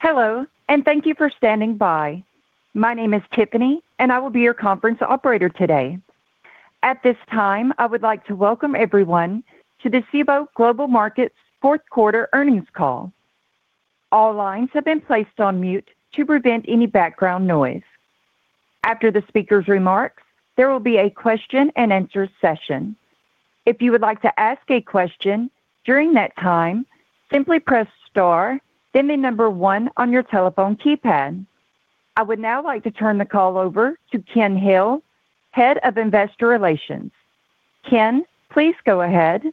Hello, and thank you for standing by. My name is Tiffany, and I will be your conference operator today. At this time, I would like to welcome everyone to the Cboe Global Markets' Fourth Quarter Earnings Call. All lines have been placed on mute to prevent any background noise. After the speaker's remarks, there will be a question-and-answer session. If you would like to ask a question during that time, simply press star, then the number one on your telephone keypad. I would now like to turn the call over to Ken Hill, Head of Investor Relations. Ken, please go ahead.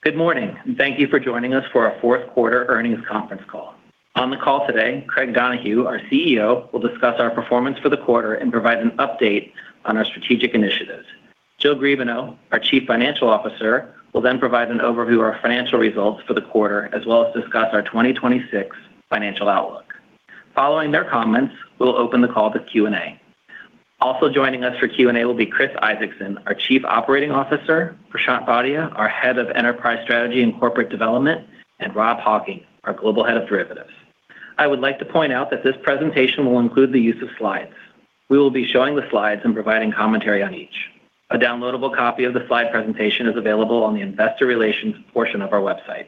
Good morning, and thank you for joining us for our fourth-quarter earnings conference call. On the call today, Craig Donohue, our CEO, will discuss our performance for the quarter and provide an update on our strategic initiatives. Jill Griebenow, our Chief Financial Officer, will then provide an overview of our financial results for the quarter as well as discuss our 2026 financial outlook. Following their comments, we'll open the call to Q&A. Also joining us for Q&A will be Chris Isaacson, our Chief Operating Officer; Prashant Bhatia, our Head of Enterprise Strategy and Corporate Development; and Rob Hocking, our Global Head of Derivatives. I would like to point out that this presentation will include the use of slides. We will be showing the slides and providing commentary on each. A downloadable copy of the slide presentation is available on the investor relations portion of our website.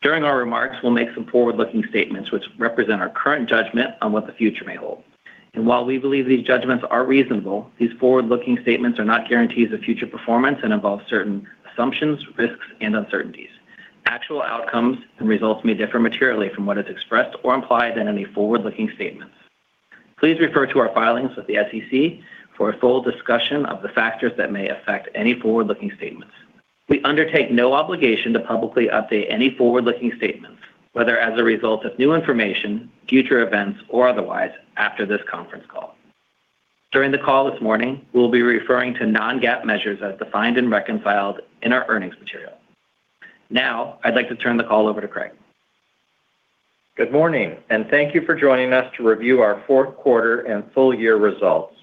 During our remarks, we'll make some forward-looking statements which represent our current judgment on what the future may hold. And while we believe these judgments are reasonable, these forward-looking statements are not guarantees of future performance and involve certain assumptions, risks, and uncertainties. Actual outcomes and results may differ materially from what is expressed or implied in any forward-looking statements. Please refer to our filings with the SEC for a full discussion of the factors that may affect any forward-looking statements. We undertake no obligation to publicly update any forward-looking statements, whether as a result of new information, future events, or otherwise after this conference call. During the call this morning, we'll be referring to non-GAAP measures as defined and reconciled in our earnings material. Now, I'd like to turn the call over to Craig. Good morning, and thank you for joining us to review our fourth quarter and full-year results.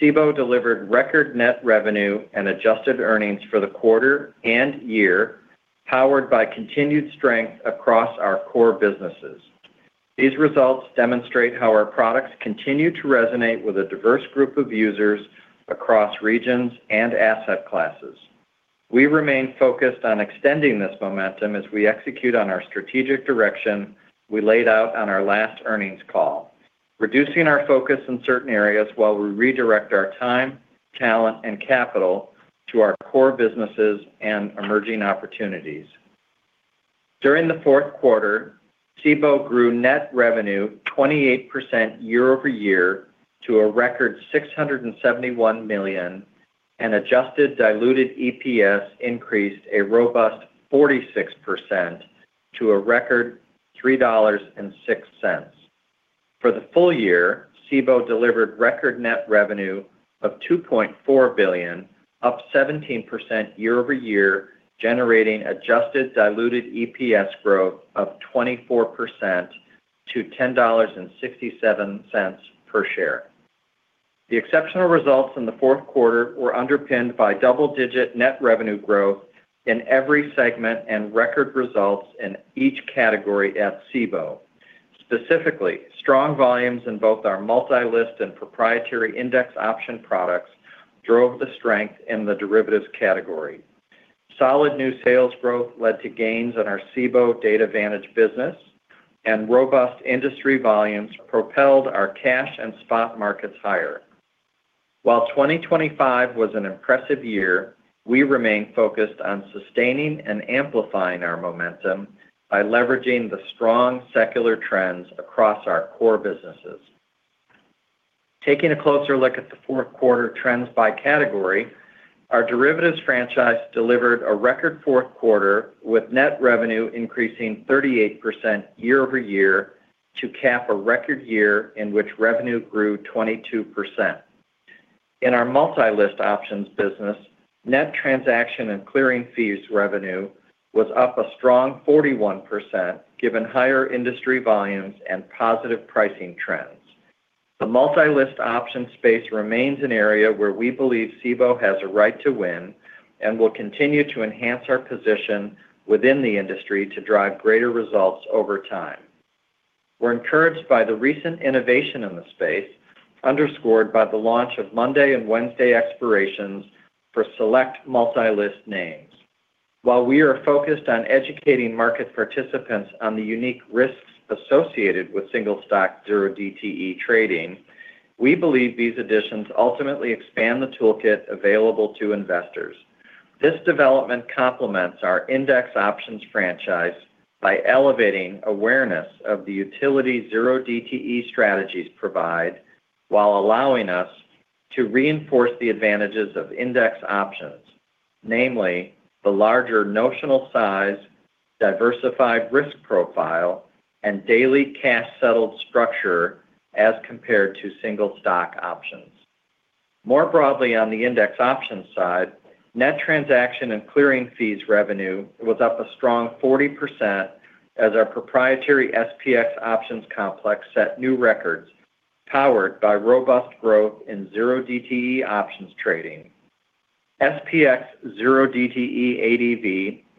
Cboe delivered record net revenue and adjusted earnings for the quarter and year, powered by continued strength across our core businesses. These results demonstrate how our products continue to resonate with a diverse group of users across regions and asset classes. We remain focused on extending this momentum as we execute on our strategic direction we laid out on our last earnings call, reducing our focus in certain areas while we redirect our time, talent, and capital to our core businesses and emerging opportunities. During the fourth quarter, Cboe grew net revenue 28% year-over-year to a record $671 million, and adjusted diluted EPS increased a robust 46% to a record $3.06. For the full year, Cboe delivered record net revenue of $2.4 billion, up 17% year-over-year, generating adjusted diluted EPS growth of 24% to $10.67 per share. The exceptional results in the fourth quarter were underpinned by double-digit net revenue growth in every segment and record results in each category at Cboe. Specifically, strong volumes in both our multi-listed and proprietary index option products drove the strength in the derivatives category. Solid new sales growth led to gains in our Cboe Data Vantage business, and robust industry volumes propelled our Cash and Spot Markets higher. While 2025 was an impressive year, we remain focused on sustaining and amplifying our momentum by leveraging the strong secular trends across our core businesses. Taking a closer look at the fourth quarter trends by category, our derivatives franchise delivered a record fourth quarter with net revenue increasing 38% year-over-year to cap a record year in which revenue grew 22%. In our multi-list options business, net transaction and clearing fees revenue was up a strong 41% given higher industry volumes and positive pricing trends. The multi-list option space remains an area where we believe Cboe has a right to win and will continue to enhance our position within the industry to drive greater results over time. We're encouraged by the recent innovation in the space underscored by the launch of Monday and Wednesday expirations for select multi-list names. While we are focused on educating market participants on the unique risks associated with single stock 0DTE trading, we believe these additions ultimately expand the toolkit available to investors. This development complements our index options franchise by elevating awareness of the utility 0DTE strategies provide while allowing us to reinforce the advantages of index options, namely the larger notional size, diversified risk profile, and daily cash-settled structure as compared to single stock options. More broadly on the index options side, net transaction and clearing fees revenue was up a strong 40% as our proprietary SPX options complex set new records powered by robust growth in 0DTE options trading. SPX 0DTE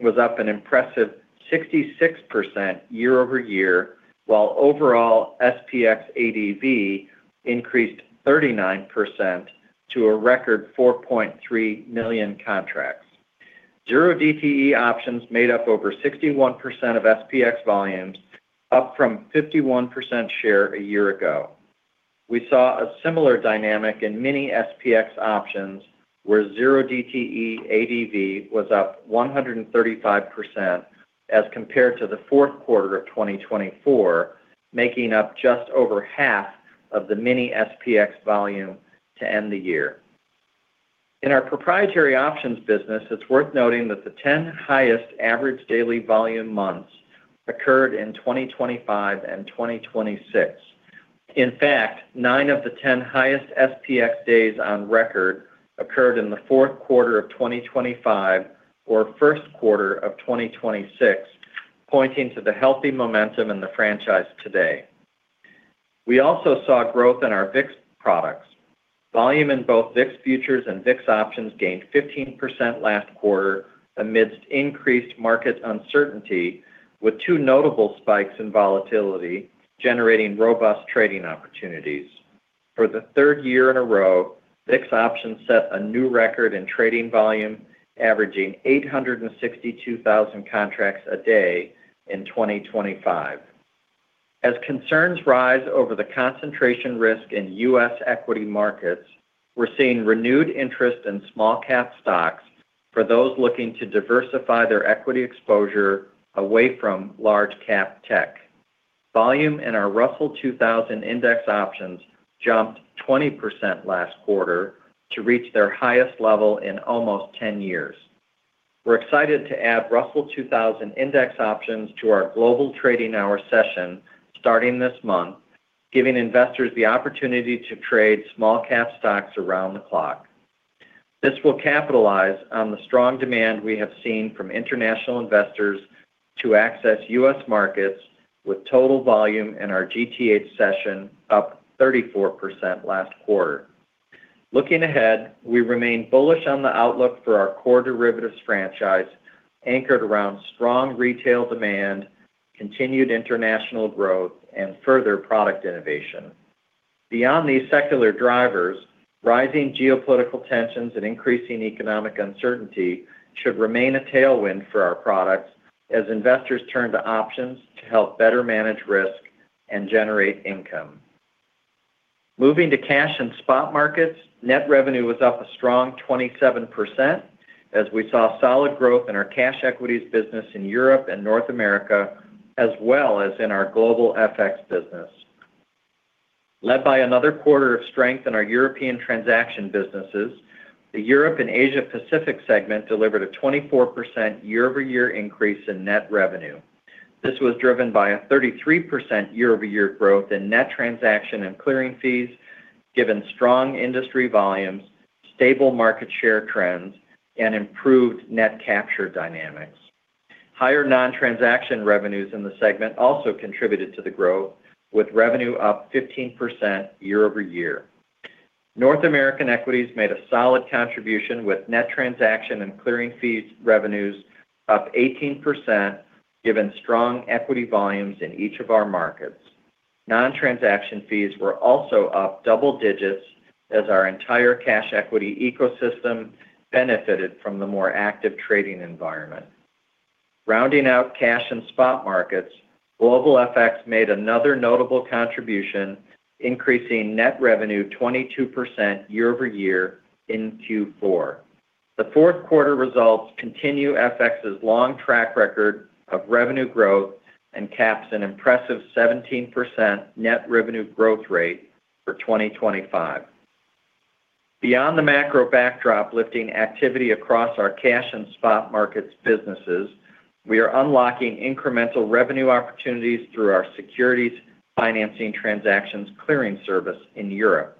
ADV was up an impressive 66% year-over-year while overall SPX ADV increased 39% to a record 4.3 million contracts. 0DTE options made up over 61% of SPX volumes, up from 51% share a year ago. We saw a similar dynamic in Mini-SPX options where 0DTE ADV was up 135% as compared to the fourth quarter of 2024, making up just over half of the Mini-SPX volume to end the year. In our proprietary options business, it's worth noting that the 10 highest average daily volume months occurred in 2025 and 2026. In fact, nine of the 10 highest SPX days on record occurred in the fourth quarter of 2025 or first quarter of 2026, pointing to the healthy momentum in the franchise today. We also saw growth in our VIX products. Volume in both VIX futures and VIX options gained 15% last quarter amidst increased market uncertainty, with two notable spikes in volatility generating robust trading opportunities. For the third year in a row, VIX options set a new record in trading volume, averaging 862,000 contracts a day in 2025. As concerns rise over the concentration risk in U.S. equity markets, we're seeing renewed interest in small-cap stocks for those looking to diversify their equity exposure away from large-cap tech. Volume in our Russell 2000 Index options jumped 20% last quarter to reach their highest level in almost 10 years. We're excited to add Russell 2000 Index options to our Global Trading Hours session starting this month, giving investors the opportunity to trade small-cap stocks around the clock. This will capitalize on the strong demand we have seen from international investors to access U.S. markets, with total volume in our GTH session up 34% last quarter. Looking ahead, we remain bullish on the outlook for our core derivatives franchise, anchored around strong retail demand, continued international growth, and further product innovation. Beyond these secular drivers, rising geopolitical tensions and increasing economic uncertainty should remain a tailwind for our products as investors turn to options to help better manage risk and generate income. Moving to Cash and Spot Markets, net revenue was up a strong 27% as we saw solid growth in our cash equities business in Europe and North America, as well as in our Global FX business. Led by another quarter of strength in our European transaction businesses, the Europe and Asia Pacific segment delivered a 24% year-over-year increase in net revenue. This was driven by a 33% year-over-year growth in net transaction and clearing fees, given strong industry volumes, stable market share trends, and improved net capture dynamics. Higher non-transaction revenues in the segment also contributed to the growth, with revenue up 15% year-over-year. North American Equities made a solid contribution, with net transaction and clearing fees revenues up 18%, given strong equity volumes in each of our markets. Non-transaction fees were also up double digits as our entire cash equity ecosystem benefited from the more active trading environment. Rounding out Cash and Spot Markets, Global FX made another notable contribution, increasing net revenue 22% year-over-year in Q4. The fourth quarter results continue FX's long track record of revenue growth and caps an impressive 17% net revenue growth rate for 2025. Beyond the macro backdrop lifting activity across our Cash and Spot Markets businesses, we are unlocking incremental revenue opportunities through our Securities Financing Transactions clearing service in Europe.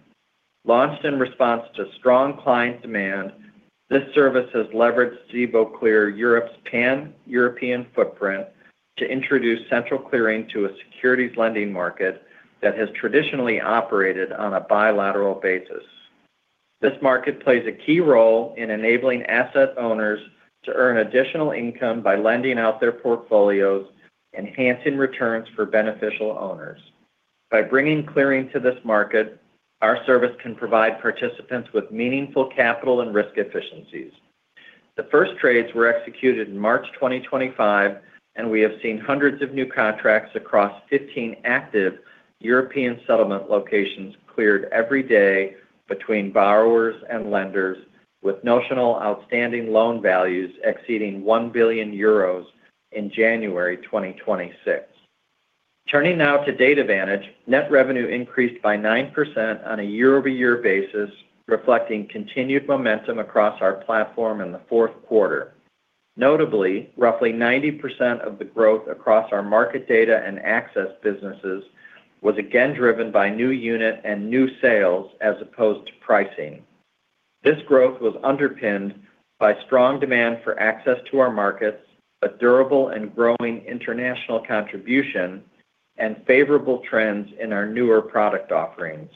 Launched in response to strong client demand, this service has leveraged Cboe Clear Europe's pan-European footprint to introduce central clearing to a securities lending market that has traditionally operated on a bilateral basis. This market plays a key role in enabling asset owners to earn additional income by lending out their portfolios, enhancing returns for beneficial owners. By bringing clearing to this market, our service can provide participants with meaningful capital and risk efficiencies. The first trades were executed in March 2025, and we have seen hundreds of new contracts across 15 active European settlement locations cleared every day between borrowers and lenders, with notional outstanding loan values exceeding 1 billion euros in January 2026. Turning now to Data Vantage, net revenue increased by 9% on a year-over-year basis, reflecting continued momentum across our platform in the fourth quarter. Notably, roughly 90% of the growth across our market data and access businesses was again driven by new unit and new sales as opposed to pricing. This growth was underpinned by strong demand for access to our markets, a durable and growing international contribution, and favorable trends in our newer product offerings.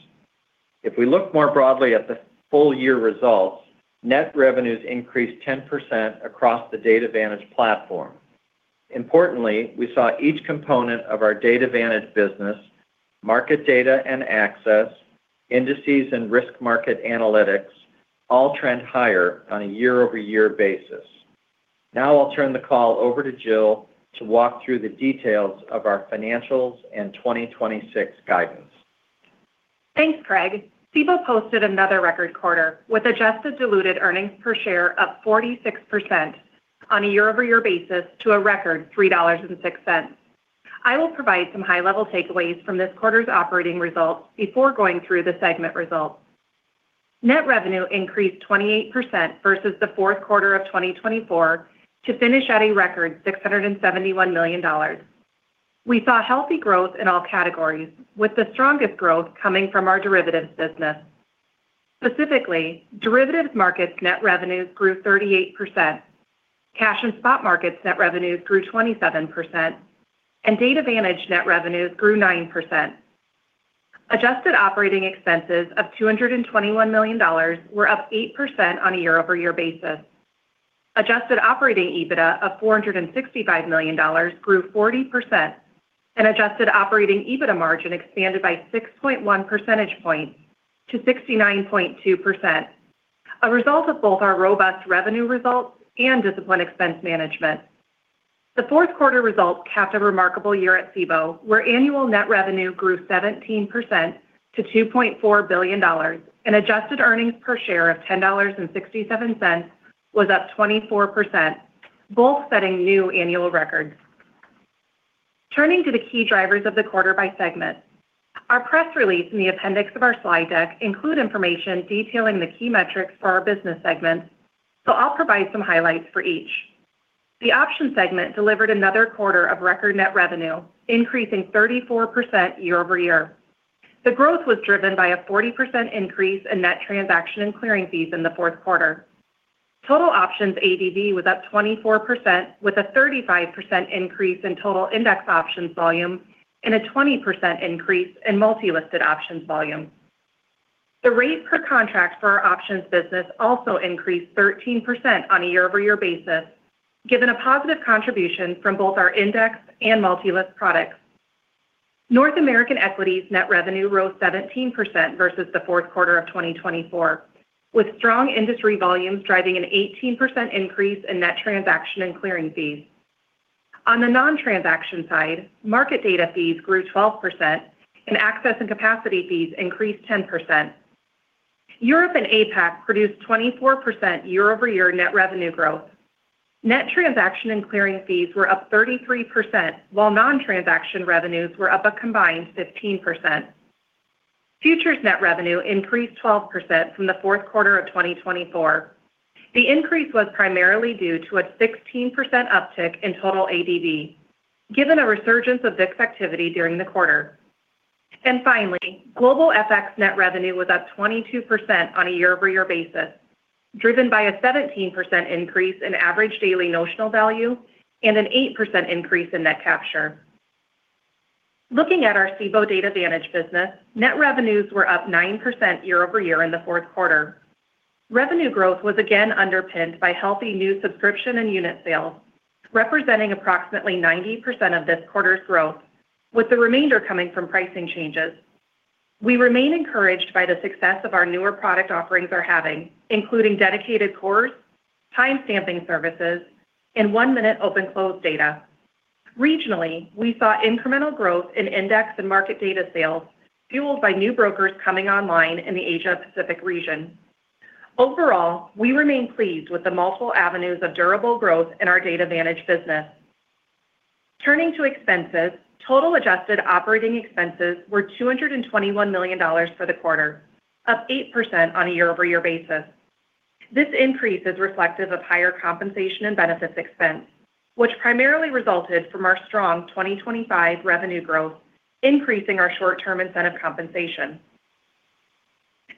If we look more broadly at the full-year results, net revenues increased 10% across the Data Vantage platform. Importantly, we saw each component of our Data Vantage business, market data and access, indices, and Risk and Market Analytics all trend higher on a year-over-year basis. Now I'll turn the call over to Jill to walk through the details of our financials and 2026 guidance. Thanks, Craig. Cboe posted another record quarter with adjusted diluted earnings per share up 46% on a year-over-year basis to a record $3.06. I will provide some high-level takeaways from this quarter's operating results before going through the segment results. Net revenue increased 28% versus the fourth quarter of 2024 to finish at a record $671 million. We saw healthy growth in all categories, with the strongest growth coming from our Derivatives business. Specifically, Derivatives Markets net revenues grew 38%, Cash and Spot Markets net revenues grew 27%, and Data Vantage net revenues grew 9%. Adjusted operating expenses of $221 million were up 8% on a year-over-year basis. Adjusted operating EBITDA of $465 million grew 40%, and adjusted operating EBITDA margin expanded by 6.1 percentage points to 69.2%, a result of both our robust revenue results and disciplined expense management. The fourth quarter results capped a remarkable year at Cboe, where annual net revenue grew 17% to $2.4 billion, and adjusted earnings per share of $10.67 was up 24%, both setting new annual records. Turning to the key drivers of the quarter by segment. Our press release and the appendix of our slide deck include information detailing the key metrics for our business segments, so I'll provide some highlights for each. The Options segment delivered another quarter of record net revenue, increasing 34% year-over-year. The growth was driven by a 40% increase in net transaction and clearing fees in the fourth quarter. Total options ADV was up 24%, with a 35% increase in total index options volume and a 20% increase in multi-listed options volume. The rate per contract for our options business also increased 13% on a year-over-year basis, given a positive contribution from both our index and multi-list products. North American Equities net revenue rose 17% versus the fourth quarter of 2024, with strong industry volumes driving an 18% increase in net transaction and clearing fees. On the non-transaction side, market data fees grew 12%, and access and capacity fees increased 10%. Europe and APAC produced 24% year-over-year net revenue growth. Net transaction and clearing fees were up 33%, while non-transaction revenues were up a combined 15%. Futures net revenue increased 12% from the fourth quarter of 2024. The increase was primarily due to a 16% uptick in total ADV, given a resurgence of VIX activity during the quarter. Finally, Global FX net revenue was up 22% on a year-over-year basis, driven by a 17% increase in average daily notional value and an 8% increase in net capture. Looking at our Cboe Data Vantage business, net revenues were up 9% year-over-year in the fourth quarter. Revenue growth was again underpinned by healthy new subscription and unit sales, representing approximately 90% of this quarter's growth, with the remainder coming from pricing changes. We remain encouraged by the success of our newer product offerings we're having, including Dedicated Cores, timestamping services, and one-minute open-close data. Regionally, we saw incremental growth in index and market data sales, fueled by new brokers coming online in the Asia-Pacific region. Overall, we remain pleased with the multiple avenues of durable growth in our Data Vantage business. Turning to expenses, total adjusted operating expenses were $221 million for the quarter, up 8% on a year-over-year basis. This increase is reflective of higher compensation and benefits expense, which primarily resulted from our strong 2025 revenue growth, increasing our short-term incentive compensation.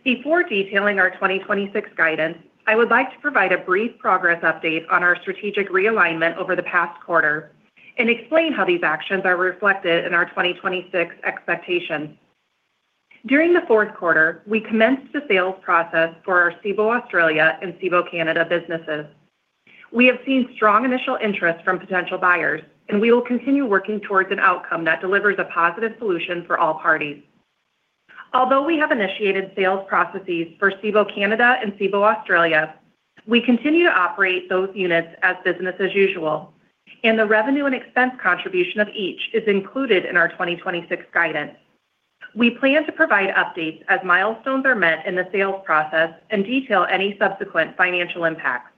Before detailing our 2026 guidance, I would like to provide a brief progress update on our strategic realignment over the past quarter and explain how these actions are reflected in our 2026 expectations. During the fourth quarter, we commenced the sales process for our Cboe Australia and Cboe Canada businesses. We have seen strong initial interest from potential buyers, and we will continue working towards an outcome that delivers a positive solution for all parties. Although we have initiated sales processes for Cboe Canada and Cboe Australia, we continue to operate those units as business as usual, and the revenue and expense contribution of each is included in our 2026 guidance. We plan to provide updates as milestones are met in the sales process and detail any subsequent financial impacts.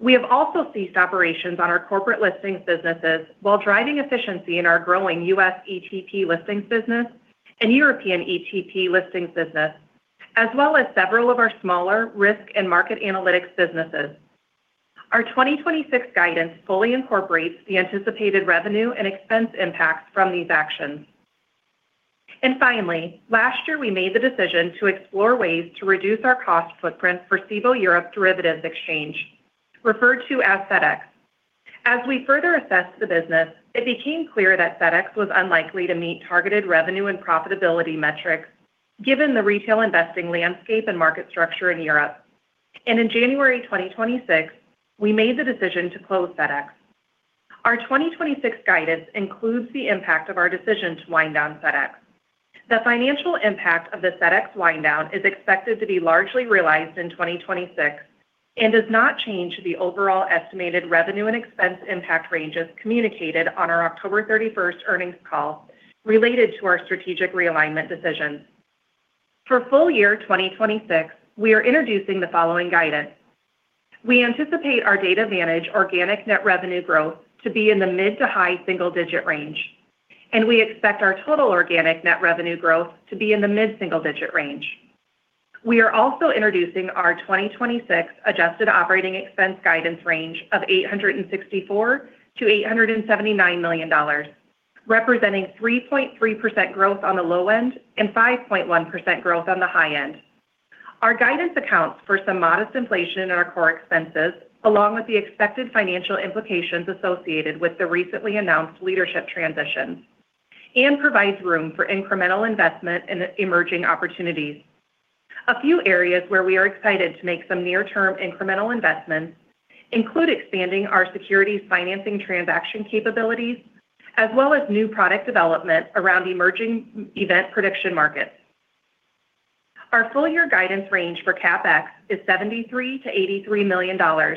We have also ceased operations on our corporate listings businesses while driving efficiency in our growing U.S. ETP listings business and European ETP listings business, as well as several of our smaller Risk and Market Analytics businesses. Our 2026 guidance fully incorporates the anticipated revenue and expense impacts from these actions. Finally, last year we made the decision to explore ways to reduce our cost footprint for Cboe Europe Derivatives Exchange, referred to as CEDX. As we further assessed the business, it became clear that CEDX was unlikely to meet targeted revenue and profitability metrics, given the retail investing landscape and market structure in Europe. In January 2026, we made the decision to close CEDX. Our 2026 guidance includes the impact of our decision to wind down CEDX. The financial impact of the CEDX wind down is expected to be largely realized in 2026 and does not change the overall estimated revenue and expense impact ranges communicated on our October 31st earnings call related to our strategic realignment decisions. For full year 2026, we are introducing the following guidance. We anticipate our Data Vantage organic net revenue growth to be in the mid to high single digit range, and we expect our total organic net revenue growth to be in the mid single digit range. We are also introducing our 2026 adjusted operating expense guidance range of $864 million-$879 million, representing 3.3% growth on the low end and 5.1% growth on the high end. Our guidance accounts for some modest inflation in our core expenses, along with the expected financial implications associated with the recently announced leadership transition, and provides room for incremental investment in emerging opportunities. A few areas where we are excited to make some near-term incremental investments include expanding our securities financing transaction capabilities, as well as new product development around emerging event prediction markets. Our full year guidance range for CapEx is $73 million-$83 million,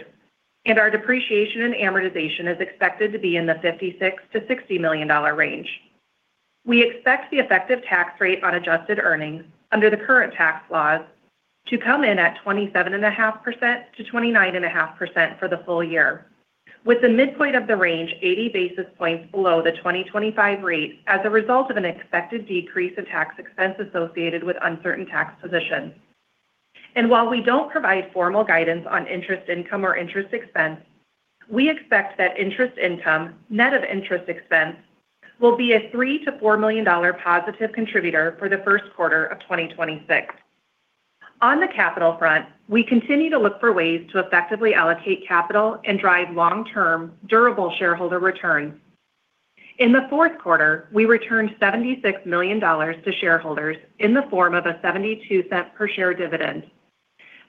and our depreciation and amortization is expected to be in the $56 million-$60 million range. We expect the effective tax rate on adjusted earnings under the current tax laws to come in at 27.5%-29.5% for the full year, with the midpoint of the range 80 basis points below the 2025 rate as a result of an expected decrease in tax expense associated with uncertain tax positions. While we don't provide formal guidance on interest income or interest expense, we expect that interest income, net of interest expense, will be a $3 million-$4 million positive contributor for the first quarter of 2026. On the capital front, we continue to look for ways to effectively allocate capital and drive long-term durable shareholder returns. In the fourth quarter, we returned $76 million to shareholders in the form of a $0.72 per share dividend,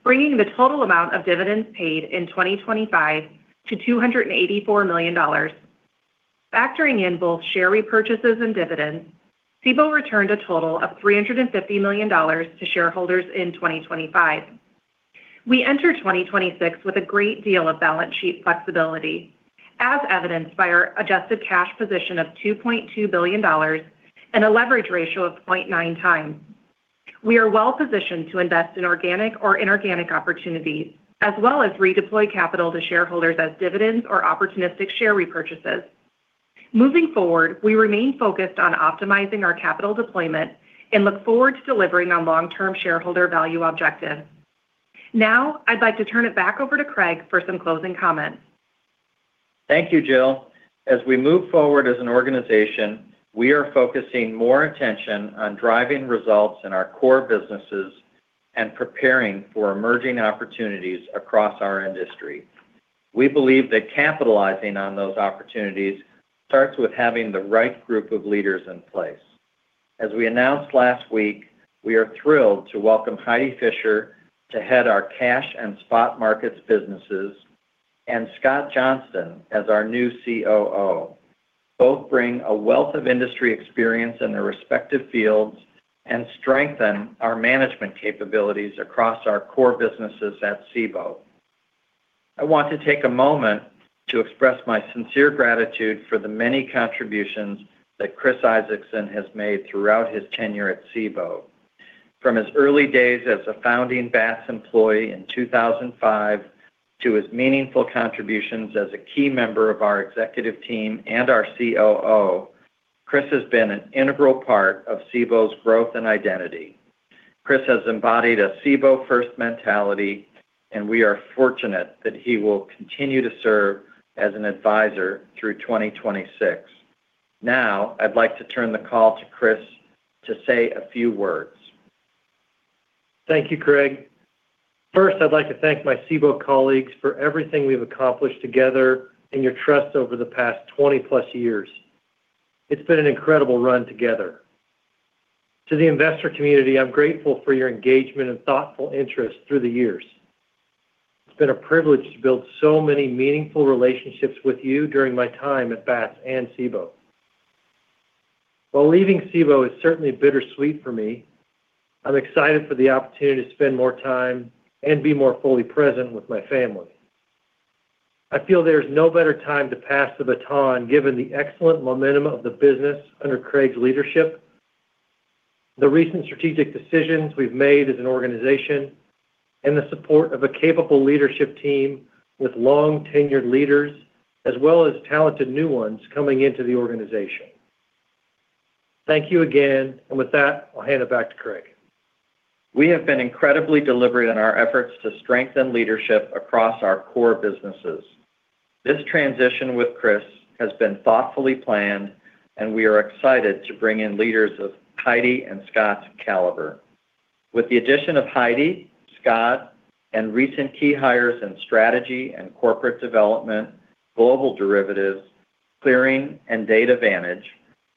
bringing the total amount of dividends paid in 2025 to $284 million. Factoring in both share repurchases and dividends, Cboe returned a total of $350 million to shareholders in 2025. We enter 2026 with a great deal of balance sheet flexibility, as evidenced by our adjusted cash position of $2.2 billion and a leverage ratio of 0.9x. We are well positioned to invest in organic or inorganic opportunities, as well as redeploy capital to shareholders as dividends or opportunistic share repurchases. Moving forward, we remain focused on optimizing our capital deployment and look forward to delivering on long-term shareholder value objectives. Now, I'd like to turn it back over to Craig for some closing comments. Thank you, Jill. As we move forward as an organization, we are focusing more attention on driving results in our core businesses and preparing for emerging opportunities across our industry. We believe that capitalizing on those opportunities starts with having the right group of leaders in place. As we announced last week, we are thrilled to welcome Heidi Fischer to head our Cash and Spot Markets businesses and Scott Johnston as our new COO. Both bring a wealth of industry experience in their respective fields and strengthen our management capabilities across our core businesses at Cboe. I want to take a moment to express my sincere gratitude for the many contributions that Chris Isaacson has made throughout his tenure at Cboe. From his early days as a founding BATS employee in 2005 to his meaningful contributions as a key member of our executive team and our COO, Chris has been an integral part of Cboe's growth and identity. Chris has embodied a Cboe first mentality, and we are fortunate that he will continue to serve as an advisor through 2026. Now, I'd like to turn the call to Chris to say a few words. Thank you, Craig. First, I'd like to thank my Cboe colleagues for everything we've accomplished together and your trust over the past 20+ years. It's been an incredible run together. To the investor community, I'm grateful for your engagement and thoughtful interest through the years. It's been a privilege to build so many meaningful relationships with you during my time at BATS and Cboe. While leaving Cboe is certainly bittersweet for me, I'm excited for the opportunity to spend more time and be more fully present with my family. I feel there is no better time to pass the baton given the excellent momentum of the business under Craig's leadership, the recent strategic decisions we've made as an organization, and the support of a capable leadership team with long-tenured leaders as well as talented new ones coming into the organization. Thank you again, and with that, I'll hand it back to Craig. We have been incredibly deliberate in our efforts to strengthen leadership across our core businesses. This transition with Chris has been thoughtfully planned, and we are excited to bring in leaders of Heidi and Scott's caliber. With the addition of Heidi, Scott, and recent key hires in strategy and corporate development, global derivatives, clearing, and Data Vantage,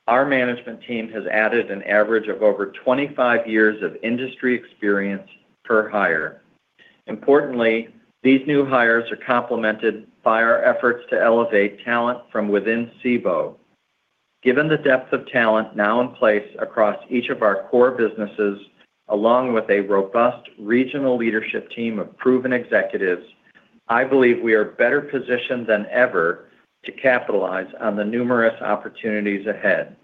our management team has added an average of over 25 years of industry experience per hire. Importantly, these new hires are complemented by our efforts to elevate talent from within Cboe. Given the depth of talent now in place across each of our core businesses, along with a robust regional leadership team of proven executives, I believe we are better positioned than ever to capitalize on the numerous opportunities ahead.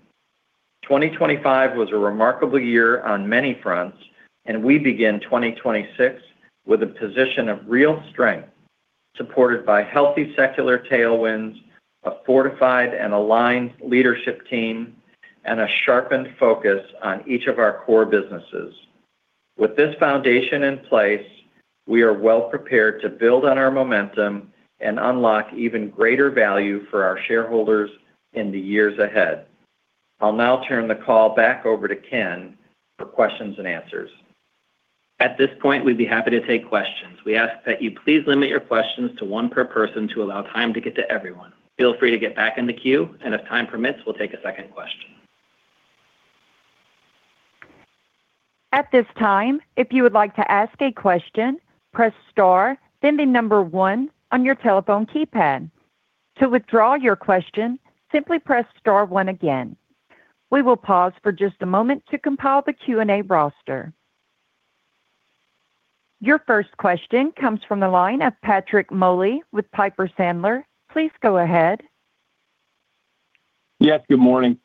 2025 was a remarkable year on many fronts, and we begin 2026 with a position of real strength, supported by healthy secular tailwinds, a fortified and aligned leadership team, and a sharpened focus on each of our core businesses. With this foundation in place, we are well prepared to build on our momentum and unlock even greater value for our shareholders in the years ahead. I'll now turn the call back over to Ken for questions and answers. At this point, we'd be happy to take questions. We ask that you please limit your questions to one per person to allow time to get to everyone. Feel free to get back in the queue, and if time permits, we'll take a second question. At this time, if you would like to ask a question, press star, then one on your telephone keypad. To withdraw your question, simply press star one again. We will pause for just a moment to compile the Q&A roster. Your first question comes from the line of Patrick Moley with Piper Sandler. Please go ahead. Yes, good morning.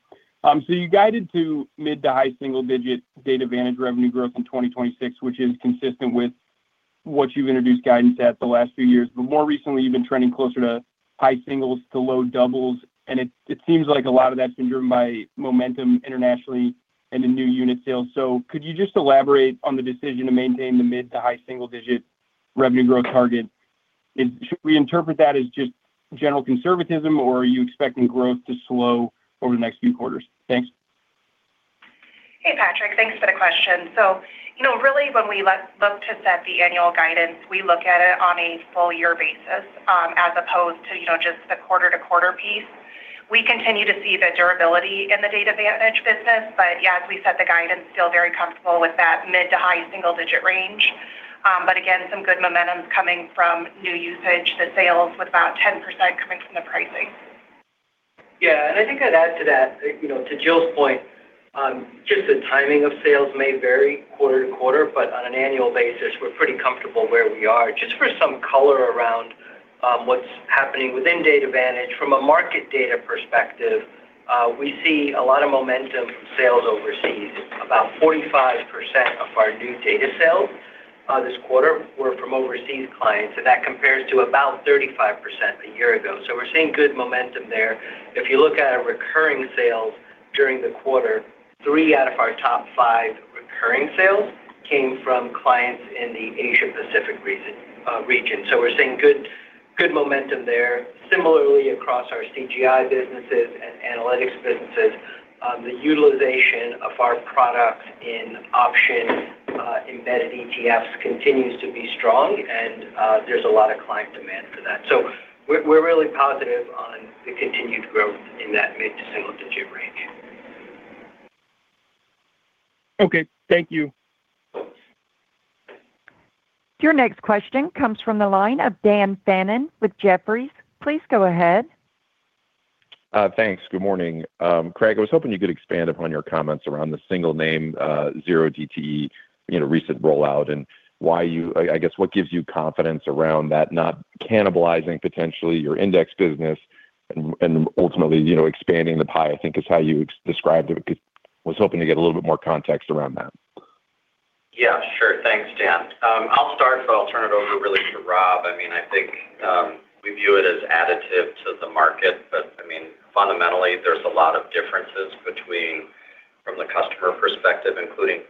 So you guided to mid to high single digit Data Vantage revenue growth in 2026, which is consistent with what you've introduced guidance at the last few years. But more recently, you've been trending closer to high singles to low doubles, and it seems like a lot of that's been driven by momentum internationally and the new unit sales. So could you just elaborate on the decision to maintain the mid to high single digit revenue growth target? Should we interpret that as just general conservatism, or are you expecting growth to slow over the next few quarters? Thanks. Hey, Patrick. Thanks for the question. So really, when we look to set the annual guidance, we look at it on a full year basis as opposed to just the quarter-to-quarter piece. We continue to see the durability in the Data Vantage business, but yeah, as we set the guidance, feel very comfortable with that mid- to high-single-digit range. But again, some good momentum is coming from new usage, the sales with about 10% coming from the pricing. Yeah. And I think I'd add to that, to Jill's point, just the timing of sales may vary quarter to quarter, but on an annual basis, we're pretty comfortable where we are. Just for some color around what's happening within Data Vantage, from a market data perspective, we see a lot of momentum from sales overseas. About 45% of our new data sales this quarter were from overseas clients, and that compares to about 35% a year ago. So we're seeing good momentum there. If you look at our recurring sales during the quarter, three out of our top five recurring sales came from clients in the Asia-Pacific region. So we're seeing good momentum there. Similarly, across our CGI businesses and analytics businesses, the utilization of our products in option embedded ETFs continues to be strong, and there's a lot of client demand for that. We're really positive on the continued growth in that mid- to single-digit range. Okay. Thank you. Your next question comes from the line of Dan Fannon with Jefferies. Please go ahead. Thanks. Good morning. Craig, I was hoping you could expand upon your comments around the single name 0DTE recent rollout and why, I guess, what gives you confidence around that not cannibalizing potentially your index business and ultimately expanding the pie, I think, is how you described it. I was hoping to get a little bit more context around that. Yeah, sure. Thanks, Dan. I'll start, but I'll turn it over really to Rob. I mean, I think we view it as additive to the market, but I mean, fundamentally, there's a lot of differences from the customer perspective, including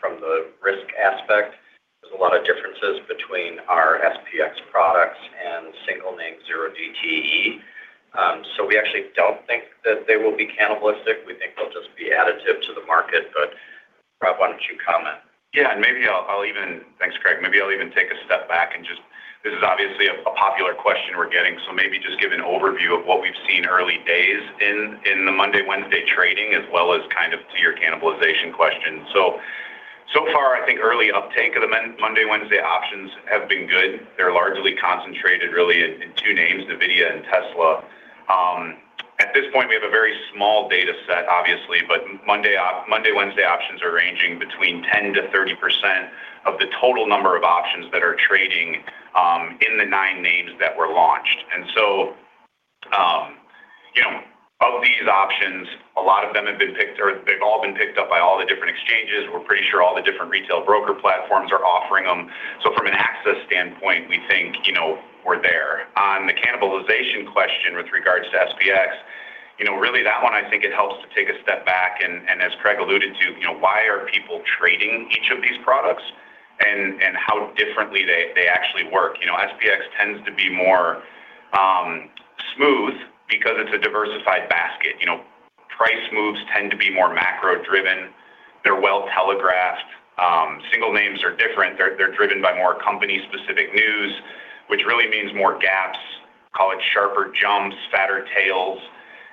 from the risk aspect. There's a lot of differences between our SPX products and single name 0DTE. So we actually don't think that they will be cannibalistic. We think they'll just be additive to the market. But Rob, why don't you comment? Yeah. Maybe I'll even, thanks, Craig. Maybe I'll even take a step back, and just, this is obviously a popular question we're getting, so maybe just give an overview of what we've seen early days in the Monday, Wednesday trading, as well as kind of to your cannibalization question. So far, I think early uptake of the Monday, Wednesday options have been good. They're largely concentrated really in two names, NVIDIA and Tesla. At this point, we have a very small dataset, obviously, but Monday, Wednesday options are ranging between 10%-30% of the total number of options that are trading in the nine names that were launched. And so of these options, a lot of them have been picked or they've all been picked up by all the different exchanges. We're pretty sure all the different retail broker platforms are offering them. So from an access standpoint, we think we're there. On the cannibalization question with regards to SPX, really, that one, I think it helps to take a step back and, as Craig alluded to, why are people trading each of these products and how differently they actually work. SPX tends to be more smooth because it's a diversified basket. Price moves tend to be more macro-driven. They're well-telegraphed. Single names are different. They're driven by more company-specific news, which really means more gaps. Call it sharper jumps, fatter tails.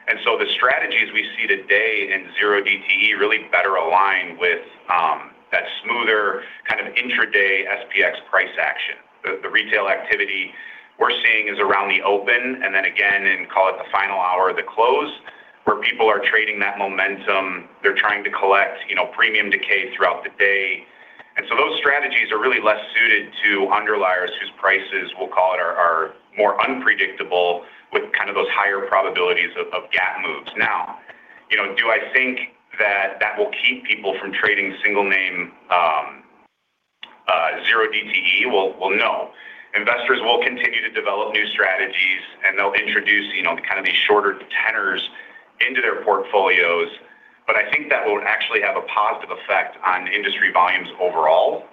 And so the strategies we see today in 0DTE really better align with that smoother kind of intraday SPX price action. The retail activity we're seeing is around the open and then again in, call it, the final hour, the close, where people are trading that momentum. They're trying to collect premium decay throughout the day. And so those strategies are really less suited to underliers whose prices, we'll call it, are more unpredictable with kind of those higher probabilities of gap moves. Now, do I think that that will keep people from trading single name 0DTE? Well, no. Investors will continue to develop new strategies, and they'll introduce kind of these shorter tenors into their portfolios. But I think that will actually have a positive effect on industry volumes overall.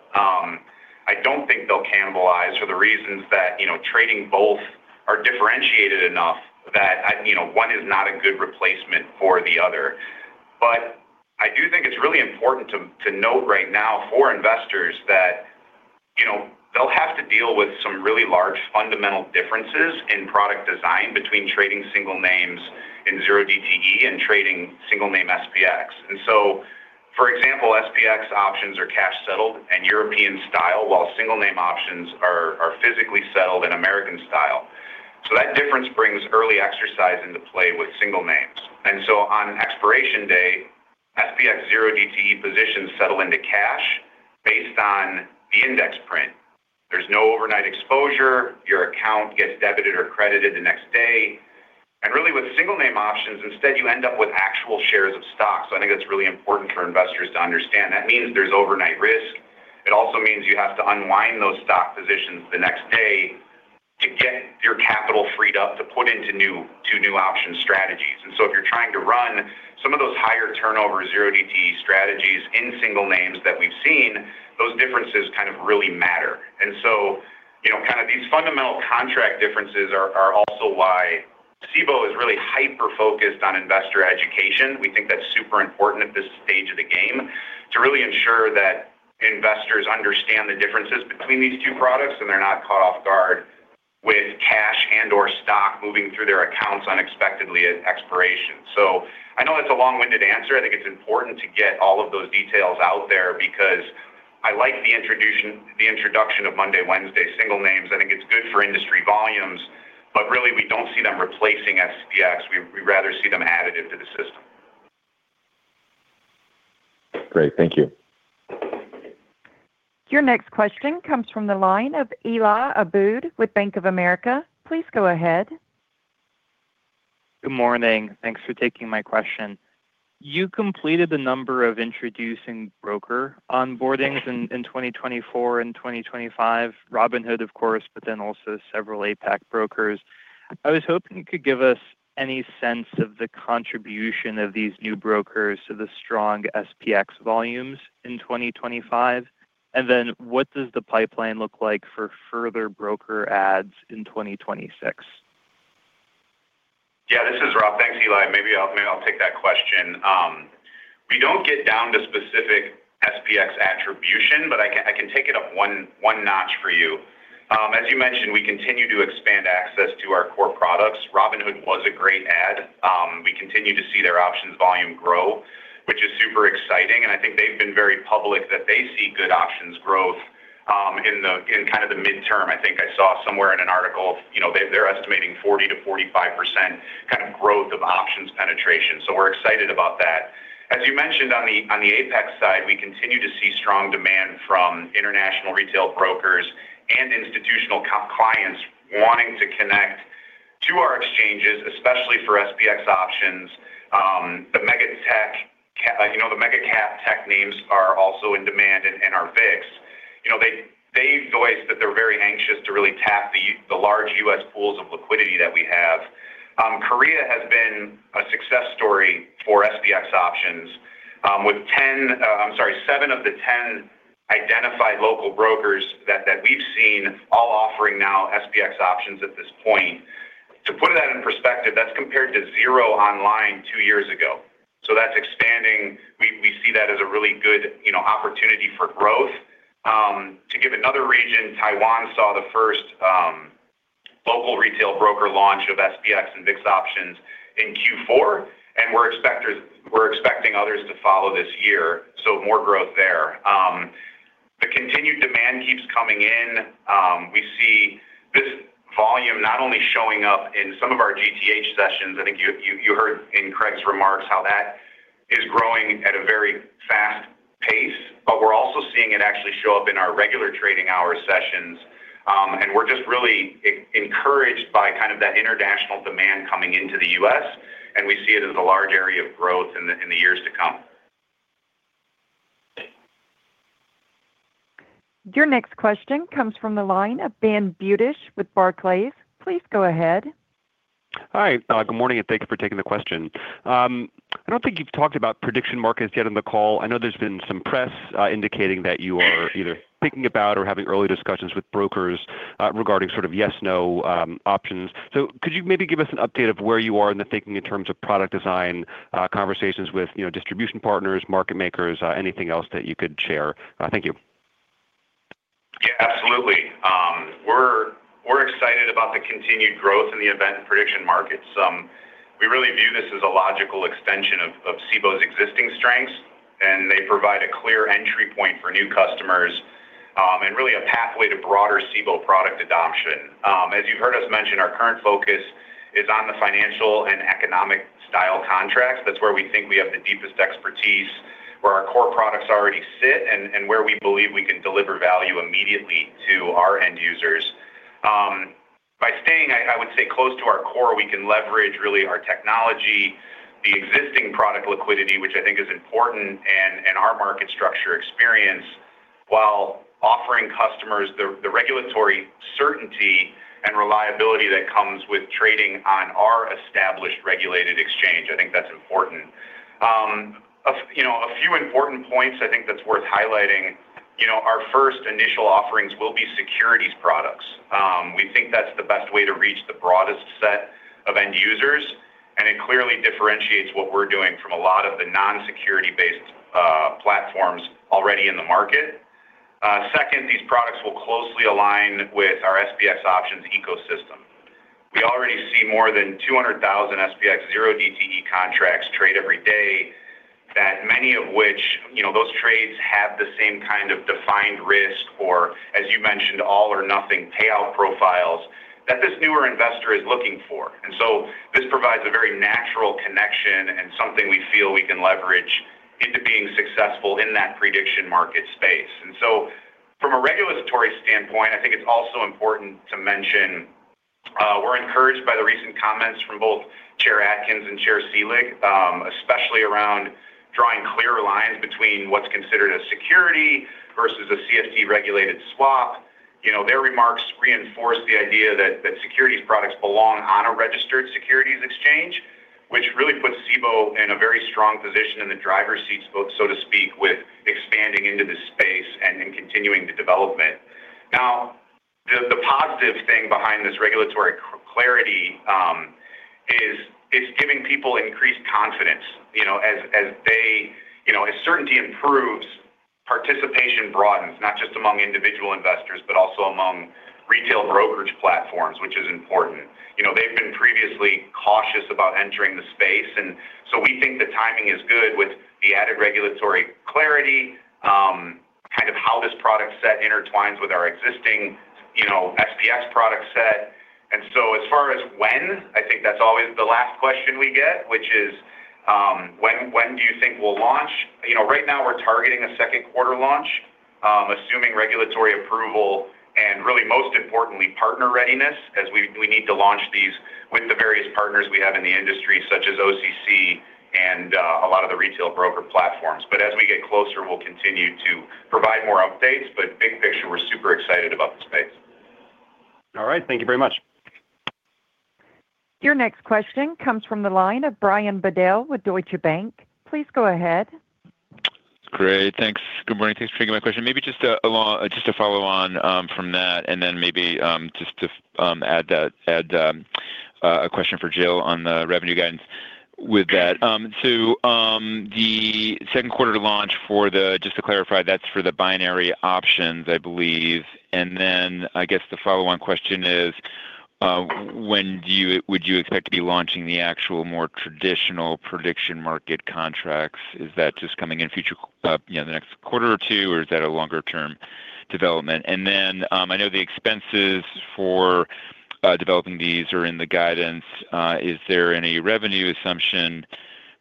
I don't think they'll cannibalize for the reasons that trading both are differentiated enough that one is not a good replacement for the other. But I do think it's really important to note right now for investors that they'll have to deal with some really large fundamental differences in product design between trading single names in 0DTE and trading single name SPX. And so, for example, SPX options are cash-settled and European-style, while single name options are physically settled and American-style. So that difference brings early exercise into play with single names. And so on expiration day, SPX 0DTE positions settle into cash based on the index print. There's no overnight exposure. Your account gets debited or credited the next day. And really, with single name options, instead, you end up with actual shares of stock. So I think that's really important for investors to understand. That means there's overnight risk. It also means you have to unwind those stock positions the next day to get your capital freed up to put into new option strategies. And so if you're trying to run some of those higher turnover 0DTE strategies in single names that we've seen, those differences kind of really matter. And so kind of these fundamental contract differences are also why Cboe is really hyper-focused on investor education. We think that's super important at this stage of the game to really ensure that investors understand the differences between these two products and they're not caught off guard with cash and/or stock moving through their accounts unexpectedly at expiration. So I know that's a long-winded answer. I think it's important to get all of those details out there because I like the introduction of Monday, Wednesday single names. I think it's good for industry volumes, but really, we don't see them replacing SPX. We rather see them additive to the system. Great. Thank you. Your next question comes from the line of Eli Abboud with Bank of America. Please go ahead. Good morning. Thanks for taking my question. You completed a number of introducing broker onboardings in 2024 and 2025, Robinhood, of course, but then also several APAC brokers. I was hoping you could give us any sense of the contribution of these new brokers to the strong SPX volumes in 2025. And then what does the pipeline look like for further broker adds in 2026? Yeah, this is Rob. Thanks, Eli. Maybe I'll take that question. We don't get down to specific SPX attribution, but I can take it up one notch for you. As you mentioned, we continue to expand access to our core products. Robinhood was a great ad. We continue to see their options volume grow, which is super exciting. And I think they've been very public that they see good options growth in kind of the midterm. I think I saw somewhere in an article they're estimating 40%-45% kind of growth of options penetration. So we're excited about that. As you mentioned, on the APAC side, we continue to see strong demand from international retail brokers and institutional clients wanting to connect to our exchanges, especially for SPX options. The mega-cap tech names are also in demand and are VIX. They've voiced that they're very anxious to really tap the large U.S. pools of liquidity that we have. Korea has been a success story for SPX options with 10, I'm sorry, seven of the 10 identified local brokers that we've seen all offering now SPX options at this point. To put that in perspective, that's compared to 0 online two years ago. So that's expanding. We see that as a really good opportunity for growth. To give another region, Taiwan saw the first local retail broker launch of SPX and VIX options in Q4, and we're expecting others to follow this year, so more growth there. The continued demand keeps coming in. We see this volume not only showing up in some of our GTH sessions, I think you heard in Craig's remarks how that is growing at a very fast pace, but we're also seeing it actually show up in our regular trading hours sessions. We're just really encouraged by kind of that international demand coming into the U.S., and we see it as a large area of growth in the years to come. Your next question comes from the line of Ben Budish with Barclays. Please go ahead. Hi. Good morning, and thanks for taking the question. I don't think you've talked about prediction markets yet on the call. I know there's been some press indicating that you are either thinking about or having early discussions with brokers regarding sort of yes/no options. So could you maybe give us an update of where you are in the thinking in terms of product design conversations with distribution partners, market makers, anything else that you could share? Thank you. Yeah, absolutely. We're excited about the continued growth in the event prediction markets. We really view this as a logical extension of Cboe's existing strengths, and they provide a clear entry point for new customers and really a pathway to broader Cboe product adoption. As you've heard us mention, our current focus is on the financial and economic-style contracts. That's where we think we have the deepest expertise, where our core products already sit, and where we believe we can deliver value immediately to our end users. By staying, I would say, close to our core, we can leverage really our technology, the existing product liquidity, which I think is important, and our market structure experience while offering customers the regulatory certainty and reliability that comes with trading on our established regulated exchange. I think that's important. A few important points I think that's worth highlighting. Our first initial offerings will be securities products. We think that's the best way to reach the broadest set of end users, and it clearly differentiates what we're doing from a lot of the non-security-based platforms already in the market. Second, these products will closely align with our SPX options ecosystem. We already see more than 200,000 SPX 0DTE contracts trade every day, many of which those trades have the same kind of defined risk or, as you mentioned, all-or-nothing payout profiles that this newer investor is looking for. And so this provides a very natural connection and something we feel we can leverage into being successful in that prediction market space. From a regulatory standpoint, I think it's also important to mention we're encouraged by the recent comments from both Chair Atkins and Chair Selig, especially around drawing clearer lines between what's considered a security versus a CFD-regulated swap. Their remarks reinforce the idea that securities products belong on a registered securities exchange, which really puts Cboe in a very strong position in the driver's seats, so to speak, with expanding into this space and continuing the development. Now, the positive thing behind this regulatory clarity is it's giving people increased confidence. As certainty improves, participation broadens, not just among individual investors but also among retail brokerage platforms, which is important. They've been previously cautious about entering the space, and so we think the timing is good with the added regulatory clarity, kind of how this product set intertwines with our existing SPX product set. So as far as when, I think that's always the last question we get, which is, "When do you think we'll launch?" Right now, we're targeting a second-quarter launch, assuming regulatory approval and, really most importantly, partner readiness as we need to launch these with the various partners we have in the industry, such as OCC and a lot of the retail broker platforms. As we get closer, we'll continue to provide more updates. Big picture, we're super excited about the space. All right. Thank you very much. Your next question comes from the line of Brian Bedell with Deutsche Bank. Please go ahead. Great. Thanks. Good morning. Thanks for taking my question. Maybe just a follow-on from that and then maybe just to add a question for Jill on the revenue guidance with that. So the second-quarter launch for the just to clarify, that's for the binary options, I believe. And then I guess the follow-on question is, "When would you expect to be launching the actual more traditional prediction market contracts?" Is that just coming in the next quarter or two, or is that a longer-term development? And then I know the expenses for developing these are in the guidance. Is there any revenue assumption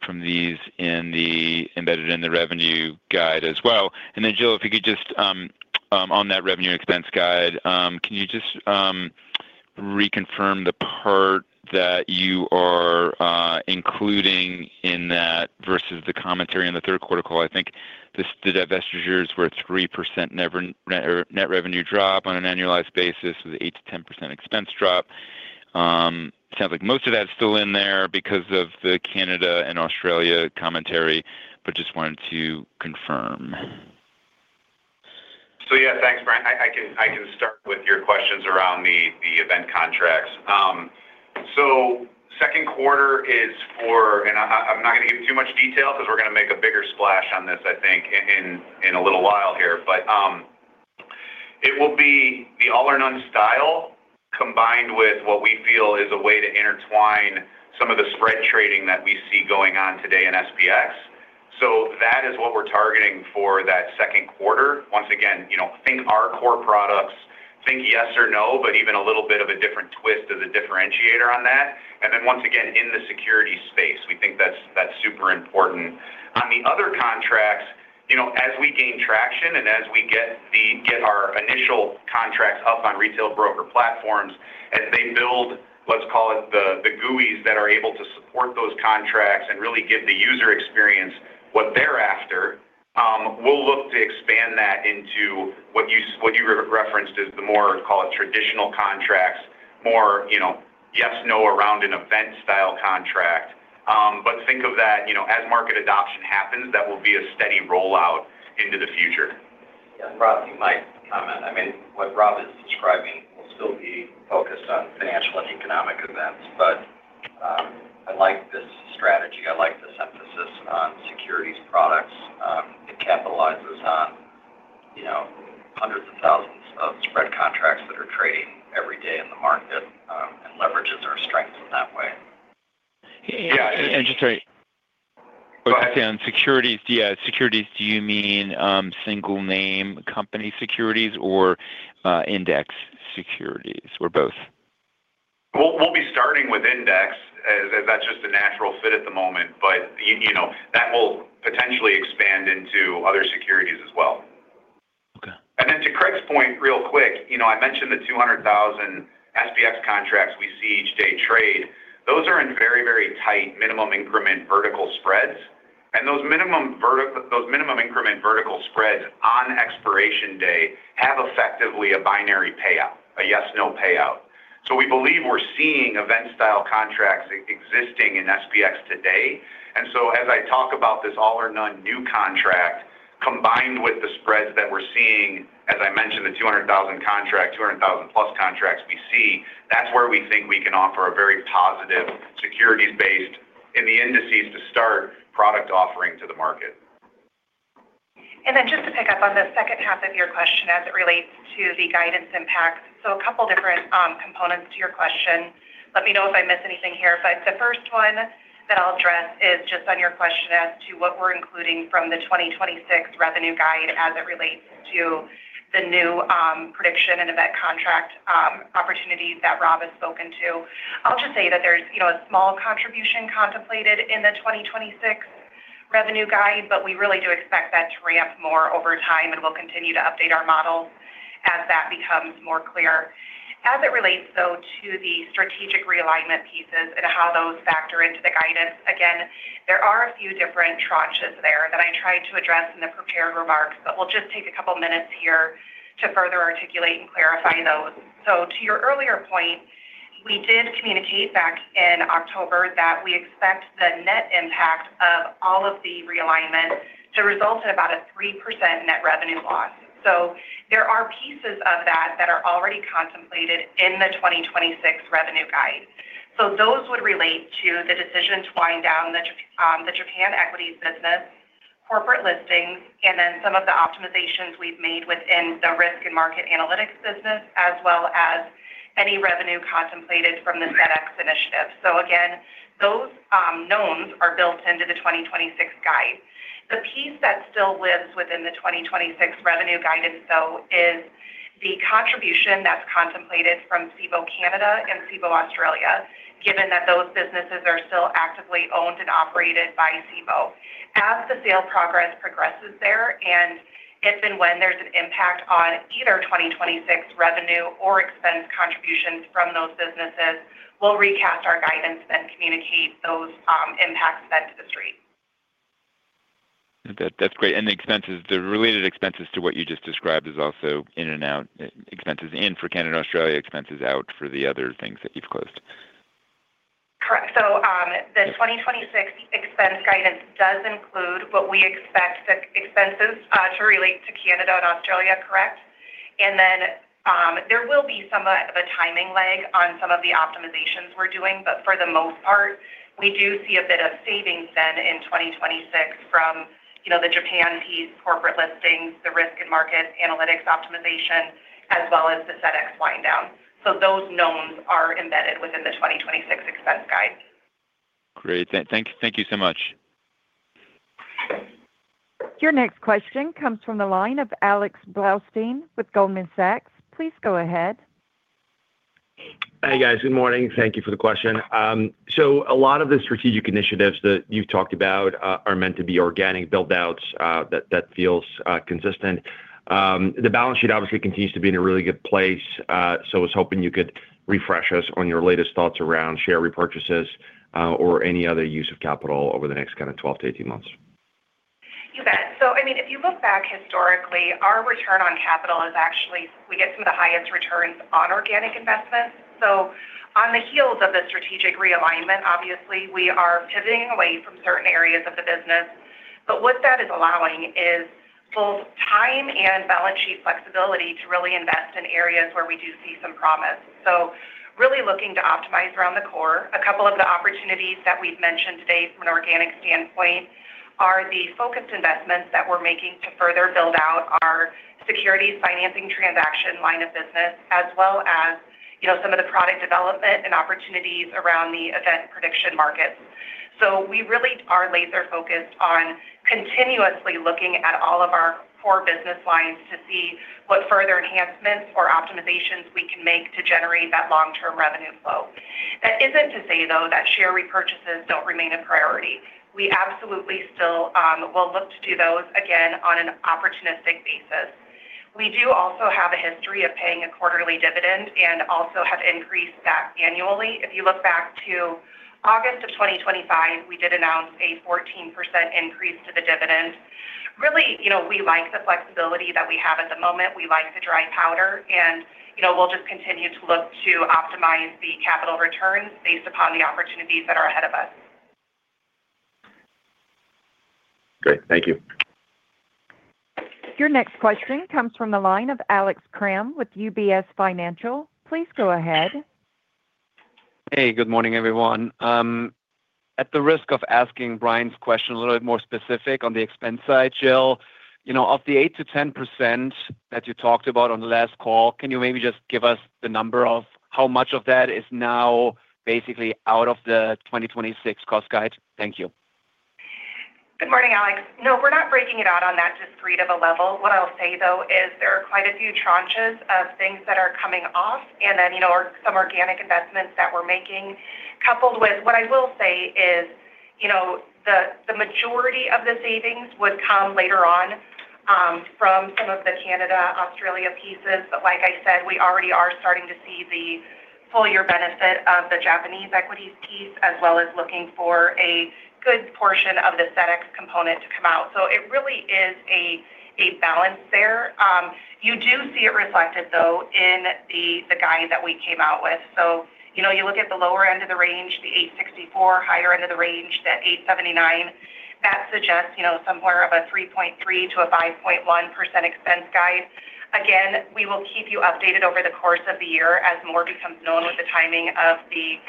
from these embedded in the revenue guide as well? And then, Jill, if you could just on that revenue expense guide, can you just reconfirm the part that you are including in that versus the commentary on the third-quarter call? I think the divestitures were 3% net revenue drop on an annualized basis with a 8%-10% expense drop. Sounds like most of that's still in there because of the Canada and Australia commentary, but just wanted to confirm. So yeah, thanks, Brian. I can start with your questions around the event contracts. Second quarter is for and I'm not going to give too much detail because we're going to make a bigger splash on this, I think, in a little while here. But it will be the all-or-none style combined with what we feel is a way to intertwine some of the spread trading that we see going on today in SPX. So that is what we're targeting for that second quarter. Once again, think our core products. Think yes or no, but even a little bit of a different twist as a differentiator on that. And then once again, in the security space, we think that's super important. On the other contracts, as we gain traction and as we get our initial contracts up on retail broker platforms, as they build, let's call it, the GUIs that are able to support those contracts and really give the user experience what they're after, we'll look to expand that into what you referenced as the more, call it, traditional contracts, more yes/no around an event-style contract. But think of that as market adoption happens. That will be a steady rollout into the future. Yeah. Rob, you might comment. I mean, what Rob is describing will still be focused on financial and economic events, but I like this strategy. I like this emphasis on securities products. It capitalizes on hundreds of thousands of spread contracts that are trading every day in the market and leverages our strengths in that way. Yeah. Just to understand, yeah, securities, do you mean single-name company securities or index securities or both? We'll be starting with index as that's just a natural fit at the moment, but that will potentially expand into other securities as well. And then to Craig's point, real quick, I mentioned the 200,000 SPX contracts we see each day trade. Those are in very, very tight minimum increment vertical spreads. And those minimum increment vertical spreads on expiration day have effectively a binary payout, a yes/no payout. So we believe we're seeing event-style contracts existing in SPX today. And so as I talk about this all-or-none new contract combined with the spreads that we're seeing, as I mentioned, the 200,000 contract, 200,000+ contracts we see, that's where we think we can offer a very positive securities-based, in the indices to start, product offering to the market. Then just to pick up on the second half of your question as it relates to the guidance impacts. So a couple of different components to your question. Let me know if I miss anything here. But the first one that I'll address is just on your question as to what we're including from the 2026 revenue guide as it relates to the new prediction and event contract opportunities that Rob has spoken to. I'll just say that there's a small contribution contemplated in the 2026 revenue guide, but we really do expect that to ramp more over time, and we'll continue to update our models as that becomes more clear. As it relates, though, to the strategic realignment pieces and how those factor into the guidance, again, there are a few different tranches there that I tried to address in the prepared remarks, but we'll just take a couple of minutes here to further articulate and clarify those. So to your earlier point, we did communicate back in October that we expect the net impact of all of the realignment to result in about a 3% net revenue loss. So there are pieces of that that are already contemplated in the 2026 revenue guide. So those would relate to the decision to wind down the Japan equities business, corporate listings, and then some of the optimizations we've made within the Risk and Market Analytics business, as well as any revenue contemplated from the CEDX initiative. So again, those knowns are built into the 2026 guide. The piece that still lives within the 2026 revenue guidance, though, is the contribution that's contemplated from Cboe Canada and Cboe Australia, given that those businesses are still actively owned and operated by Cboe. As the sale progresses there and if and when there's an impact on either 2026 revenue or expense contributions from those businesses, we'll recast our guidance, then communicate those impacts then to the street. That's great. And the related expenses to what you just described is also in and out expenses in for Canada and Australia, expenses out for the other things that you've closed. Correct. So the 2026 expense guidance does include what we expect expenses to relate to Canada and Australia, correct? And then there will be somewhat of a timing lag on some of the optimizations we're doing. But for the most part, we do see a bit of savings then in 2026 from the Japan piece, corporate listings, the Risk and Market Analytics optimization, as well as the CEDX winddown. So those knowns are embedded within the 2026 expense guide. Great. Thank you so much. Your next question comes from the line of Alex Blostein with Goldman Sachs. Please go ahead. Hey, guys. Good morning. Thank you for the question. So a lot of the strategic initiatives that you've talked about are meant to be organic buildouts. That feels consistent. The balance sheet obviously continues to be in a really good place, so I was hoping you could refresh us on your latest thoughts around share repurchases or any other use of capital over the next kind of 12-18 months. You bet. So I mean, if you look back historically, our return on capital is actually we get some of the highest returns on organic investments. So on the heels of the strategic realignment, obviously, we are pivoting away from certain areas of the business. But what that is allowing is both time and balance sheet flexibility to really invest in areas where we do see some promise. So really looking to optimize around the core, a couple of the opportunities that we've mentioned today from an organic standpoint are the focused investments that we're making to further build out our securities financing transaction line of business, as well as some of the product development and opportunities around the event prediction markets. We really are laser-focused on continuously looking at all of our core business lines to see what further enhancements or optimizations we can make to generate that long-term revenue flow. That isn't to say, though, that share repurchases don't remain a priority. We absolutely still will look to do those, again, on an opportunistic basis. We do also have a history of paying a quarterly dividend and also have increased that annually. If you look back to August of 2025, we did announce a 14% increase to the dividend. Really, we like the flexibility that we have at the moment. We like the dry powder. We'll just continue to look to optimize the capital returns based upon the opportunities that are ahead of us. Great. Thank you. Your next question comes from the line of Alex Kramm with UBS. Please go ahead. Hey. Good morning, everyone. At the risk of asking Brian's question a little bit more specific on the expense side, Jill, of the 8%-10% that you talked about on the last call, can you maybe just give us the number of how much of that is now basically out of the 2026 cost guide? Thank you. Good morning, Alex. No, we're not breaking it out on that discrete of a level. What I'll say, though, is there are quite a few tranches of things that are coming off and then or some organic investments that we're making, coupled with what I will say is the majority of the savings would come later on from some of the Canada/Australia pieces. But like I said, we already are starting to see the full-year benefit of the Japanese equities piece, as well as looking for a good portion of the CEDX component to come out. So it really is a balance there. You do see it reflected, though, in the guide that we came out with. So you look at the lower end of the range, the $864, higher end of the range, that $879, that suggests somewhere of a 3.3%-5.1% expense guide. Again, we will keep you updated over the course of the year as more becomes known with the timing of the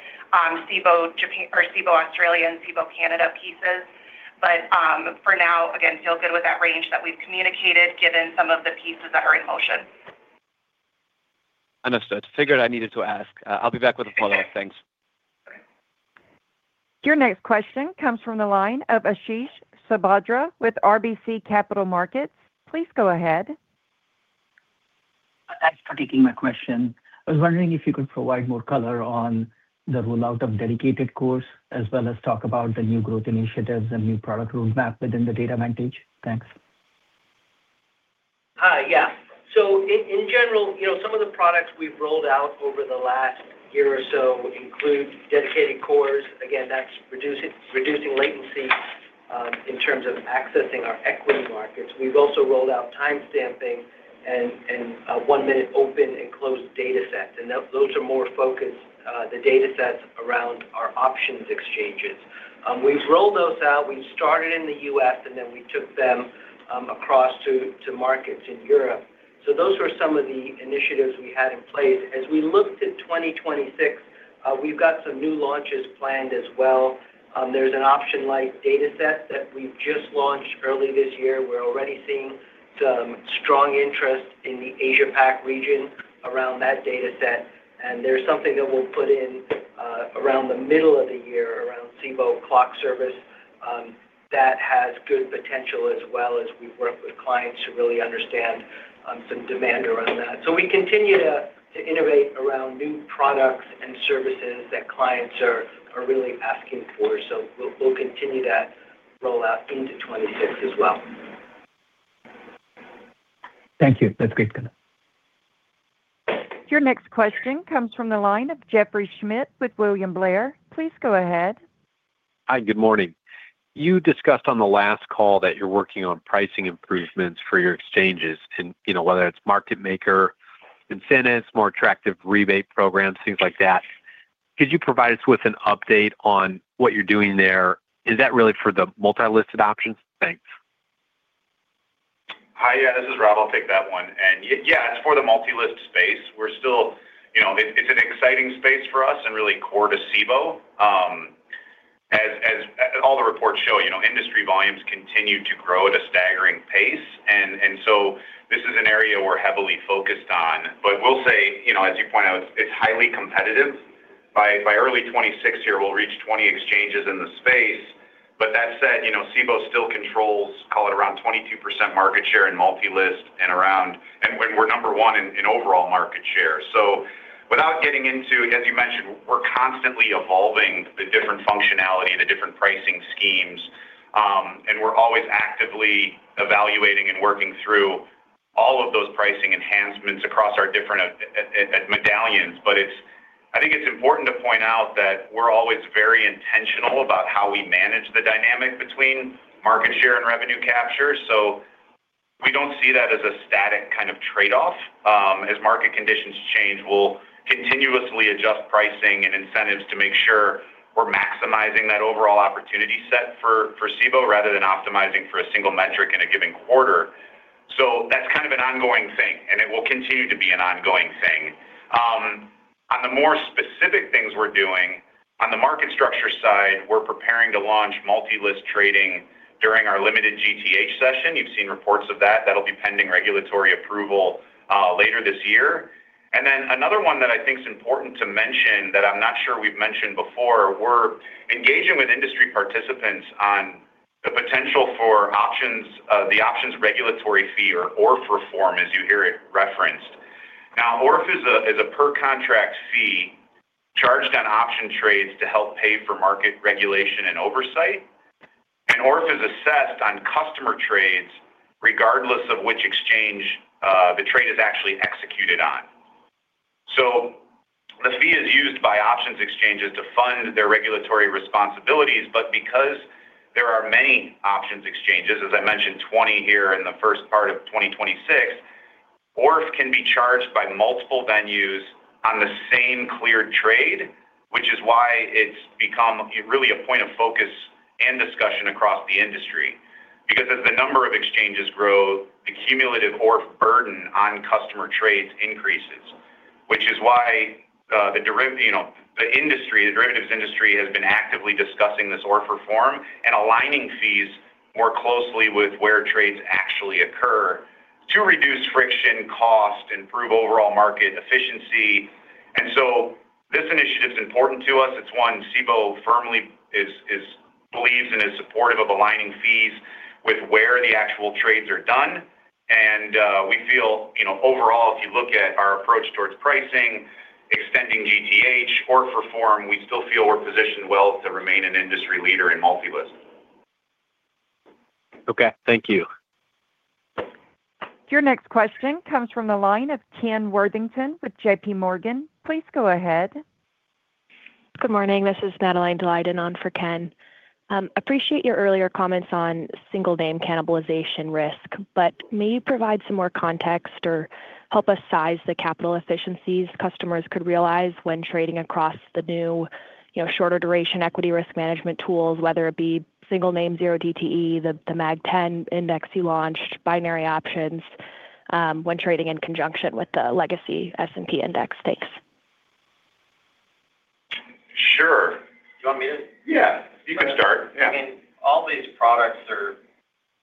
Cboe or Cboe Australia and Cboe Canada pieces. But for now, again, feel good with that range that we've communicated given some of the pieces that are in motion. Understood. Figured I needed to ask. I'll be back with a follow-up. Thanks. Your next question comes from the line of Ashish Sabadra with RBC Capital Markets. Please go ahead. Thanks for taking my question. I was wondering if you could provide more color on the rollout of Dedicated Cores as well as talk about the new growth initiatives and new product roadmap within the Data Vantage. Thanks. Yes. So in general, some of the products we've rolled out over the last year or so include Dedicated Cores. Again, that's reducing latency in terms of accessing our equity markets. We've also rolled out timestamping and 1-minute open and closed datasets. And those are more focused, the datasets around our options exchanges. We've rolled those out. We've started in the U.S., and then we took them across to markets in Europe. So those were some of the initiatives we had in place. As we look to 2026, we've got some new launches planned as well. There's an option-like dataset that we've just launched early this year. We're already seeing some strong interest in the Asia-Pac region around that dataset. There's something that we'll put in around the middle of the year, around Cboe Clock service that has good potential as well as we've worked with clients to really understand some demand around that. We continue to innovate around new products and services that clients are really asking for. We'll continue that rollout into 2026 as well. Thank you. That's great color. Your next question comes from the line of Jeff Schmitt with William Blair. Please go ahead. Hi. Good morning. You discussed on the last call that you're working on pricing improvements for your exchanges, whether it's market maker, incentives, more attractive rebate programs, things like that. Could you provide us with an update on what you're doing there? Is that really for the multi-listed options? Thanks. Hi. Yeah. This is Rob. I'll take that one. And yeah, it's for the multilist space. It's an exciting space for us and really core to Cboe. As all the reports show, industry volumes continue to grow at a staggering pace. And so this is an area we're heavily focused on. But we'll say, as you point out, it's highly competitive. By early 2026 here, we'll reach 20 exchanges in the space. But that said, Cboe still controls, call it, around 22% market share in multilist and around and we're number one in overall market share. So without getting into as you mentioned, we're constantly evolving the different functionality, the different pricing schemes. And we're always actively evaluating and working through all of those pricing enhancements across our different medallions. But I think it's important to point out that we're always very intentional about how we manage the dynamic between market share and revenue capture. So we don't see that as a static kind of trade-off. As market conditions change, we'll continuously adjust pricing and incentives to make sure we're maximizing that overall opportunity set for Cboe rather than optimizing for a single metric in a given quarter. So that's kind of an ongoing thing, and it will continue to be an ongoing thing. On the more specific things we're doing, on the market structure side, we're preparing to launch multilist trading during our limited GTH session. You've seen reports of that. That'll be pending regulatory approval later this year. Then another one that I think is important to mention that I'm not sure we've mentioned before, we're engaging with industry participants on the potential for the options regulatory fee or ORF reform, as you hear it referenced. Now, ORF is a per-contract fee charged on option trades to help pay for market regulation and oversight. ORF is assessed on customer trades regardless of which exchange the trade is actually executed on. So the fee is used by options exchanges to fund their regulatory responsibilities. But because there are many options exchanges, as I mentioned, 20 here in the first part of 2026, ORF can be charged by multiple venues on the same cleared trade, which is why it's become really a point of focus and discussion across the industry. Because as the number of exchanges grow, the cumulative ORF burden on customer trades increases, which is why the industry, the derivatives industry, has been actively discussing this ORF reform and aligning fees more closely with where trades actually occur to reduce friction, cost, improve overall market efficiency. And so this initiative's important to us. It's one, Cboe firmly believes and is supportive of aligning fees with where the actual trades are done. And we feel overall, if you look at our approach towards pricing, extending GTH, ORF reform, we still feel we're positioned well to remain an industry leader in multilist. Okay. Thank you. Your next question comes from the line of Ken Worthington with J.P. Morgan. Please go ahead. Good morning. This is Madeline Daleiden on for Ken. Appreciate your earlier comments on single-name cannibalization risk, but may you provide some more context or help us size the capital efficiencies customers could realize when trading across the new shorter-duration equity risk management tools, whether it be single-name 0DTE, the Mag 10 Index you launched, binary options, when trading in conjunction with the legacy S&P index stacks? Sure. You want me to? Yeah. You can start. Yeah. I mean, all these products are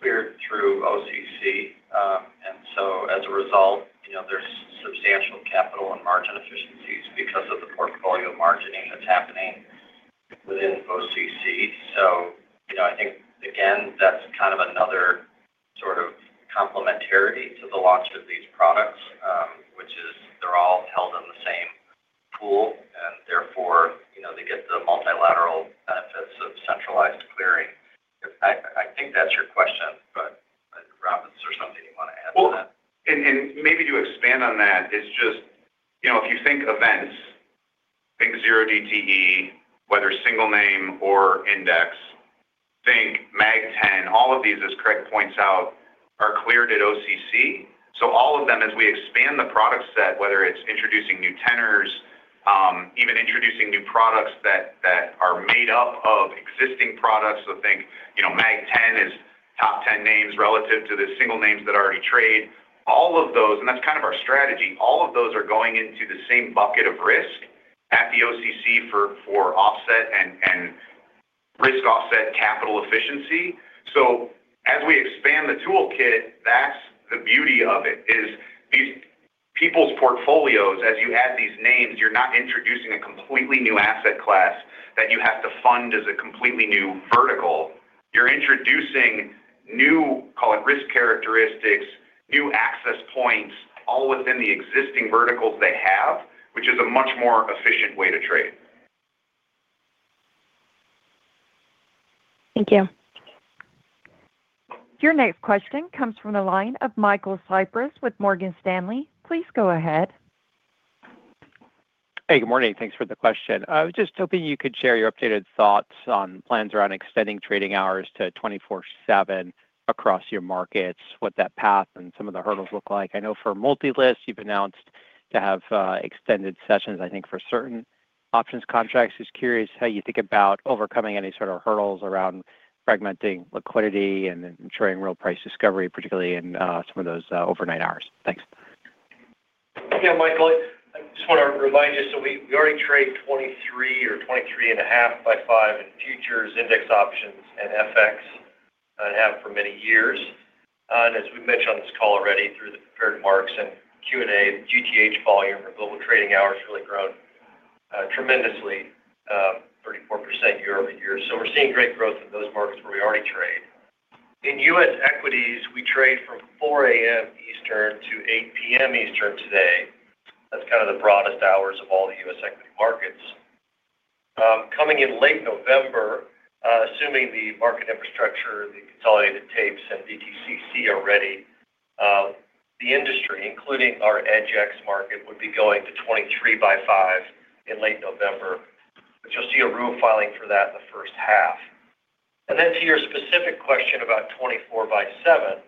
cleared through OCC. So as a result, there's substantial capital and margin efficiencies because of the portfolio margining that's happening within OCC. I think, again, that's kind of another sort of complementarity to the launch of these products, which is they're all held in the same pool, and therefore, they get the multilateral benefits of centralized clearing. I think that's your question, but Rob, is there something you want to add to that? Well, and maybe to expand on that, it's just if you think equities, think 0DTE, whether single-name or index, think Mag 10, all of these, as Craig points out, are cleared at OCC. So all of them, as we expand the product set, whether it's introducing new tenors, even introducing new products that are made up of existing products, so think Mag 10 is top 10 names relative to the single names that are already traded, all of those and that's kind of our strategy. All of those are going into the same bucket of risk at the OCC for risk offset capital efficiency. So as we expand the toolkit, that's the beauty of it, is these people's portfolios, as you add these names, you're not introducing a completely new asset class that you have to fund as a completely new vertical. You're introducing new, call it, risk characteristics, new access points, all within the existing verticals they have, which is a much more efficient way to trade. Thank you. Your next question comes from the line of Michael Cyprys with Morgan Stanley. Please go ahead. Hey. Good morning. Thanks for the question. Just hoping you could share your updated thoughts on plans around extending trading hours to 24/7 across your markets, what that path and some of the hurdles look like. I know for multi-listed, you've announced to have extended sessions, I think, for certain options contracts. Just curious how you think about overcoming any sort of hurdles around fragmenting liquidity and ensuring real price discovery, particularly in some of those overnight hours. Thanks. Yeah, Michael. I just want to remind you, so we already trade 23 or 23.5x5 in futures, index options, and FX and have for many years. And as we've mentioned on this call already, through the prepared remarks and Q&A, the GTH volume for Global Trading Hours has really grown tremendously, 34% year-over-year. So we're seeing great growth in those markets where we already trade. In U.S. equities, we trade from 4:00 A.M. Eastern to 8:00 P.M. Eastern today. That's kind of the broadest hours of all the U.S. equity markets. Coming in late November, assuming the market infrastructure, the consolidated tapes, and DTCC are ready, the industry, including our EDGX market, would be going to 23x5 in late November, but you'll see a rule filing for that in the first half. To your specific question about 24x7,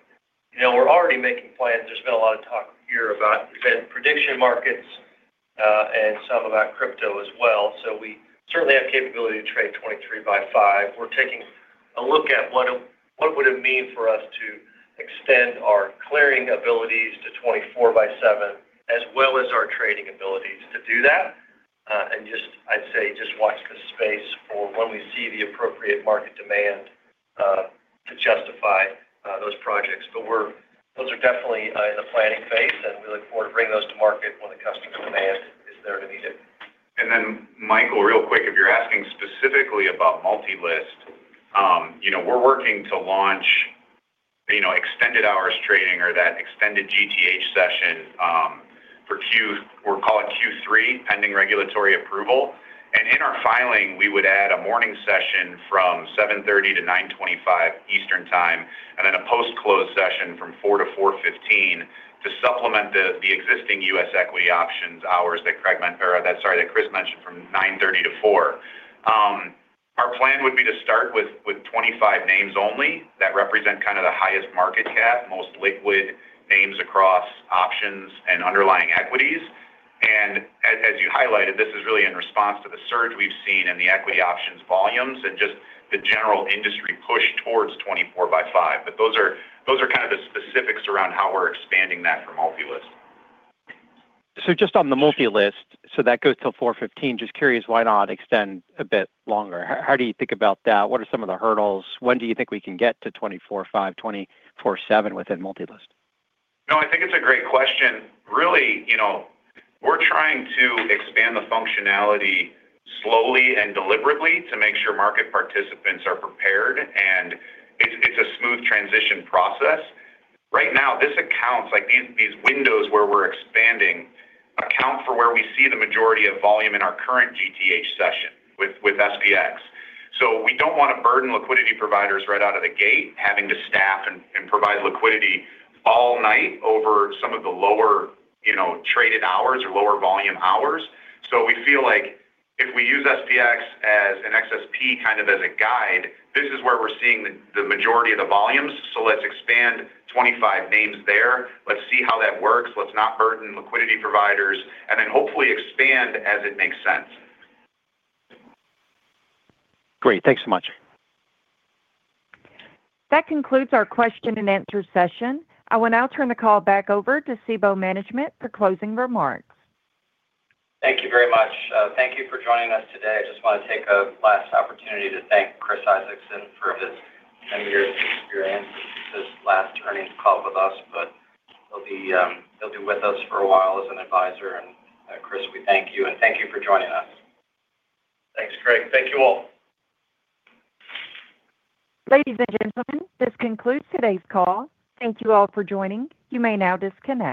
we're already making plans. There's been a lot of talk here about event prediction markets and some about crypto as well. We certainly have capability to trade 23x5. We're taking a look at what would it mean for us to extend our clearing abilities to 24x7 as well as our trading abilities to do that. I'd say just watch the space for when we see the appropriate market demand to justify those projects. But those are definitely in the planning phase, and we look forward to bringing those to market when the customer demand is there to meet it. And then, Michael, real quick, if you're asking specifically about multi-listed, we're working to launch extended hours trading or that extended GTH session for Q, we'll call it Q3, pending regulatory approval. In our filing, we would add a morning session from 7:30 A.M. to 9:25 A.M. Eastern time and then a post-close session from 4:00 P.M. to 4:15 P.M. to supplement the existing U.S. equity options hours that Craig or that's sorry, that Chris mentioned from 9:30 A.M. to 4:00 P.M. Our plan would be to start with 25 names only that represent kind of the highest market cap, most liquid names across options and underlying equities. As you highlighted, this is really in response to the surge we've seen in the equity options volumes and just the general industry push towards 24x5. Those are kind of the specifics around how we're expanding that for multilist. So just on the multi-listed, so that goes till 4:15, just curious why not extend a bit longer? How do you think about that? What are some of the hurdles? When do you think we can get to 24x5, 24x7 within multi-listed? No, I think it's a great question. Really, we're trying to expand the functionality slowly and deliberately to make sure market participants are prepared. And it's a smooth transition process. Right now, these windows where we're expanding account for where we see the majority of volume in our current GTH session with SPX. So we don't want to burden liquidity providers right out of the gate having to staff and provide liquidity all night over some of the lower traded hours or lower volume hours. So we feel like if we use SPX as an XSP kind of as a guide, this is where we're seeing the majority of the volumes. So let's expand 25 names there. Let's see how that works. Let's not burden liquidity providers and then hopefully expand as it makes sense. Great. Thanks so much. That concludes our question-and-answer session. I will now turn the call back over to Cboe Management for closing remarks. Thank you very much. Thank you for joining us today. I just want to take a last opportunity to thank Chris Isaacson for his many years of experience. This is his last earnings call with us, but he'll be with us for a while as an advisor. Chris, we thank you. Thank you for joining us. Thanks, Craig. Thank you all. Ladies and gentlemen, this concludes today's call. Thank you all for joining. You may now disconnect.